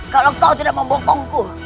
kalau kau tidak membontongku